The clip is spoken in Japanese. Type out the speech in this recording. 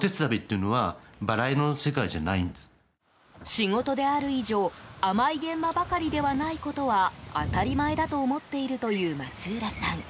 仕事である以上甘い現場ばかりではないことは当たり前だと思っているという松浦さん。